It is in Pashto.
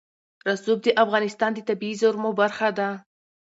رسوب د افغانستان د طبیعي زیرمو برخه ده.